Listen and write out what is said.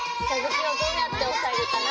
どうやっておさえるかな？